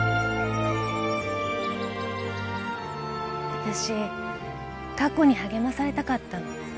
あたし過去に励まされたかったの。